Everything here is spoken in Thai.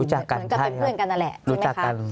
รู้จักกันใช่ครับรู้จักกันใช่ครับรู้จักกัน